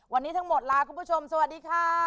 วันนี้ทั้งหมดลาคุณผู้ชมสวัสดีค่ะ